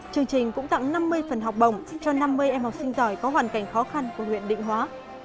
chương trình cũng tặng năm mươi phần học bổng cho năm mươi em học sinh giỏi có hoàn cảnh khó khăn của huyện định hóa